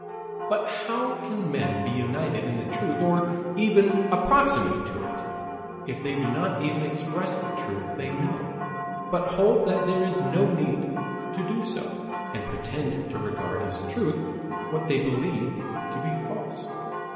But how can men be united in the truth or even approximate to it, if they do not even express the truth they know, but hold that there is no need to do so, and pretend to regard as truth what they believe to be false?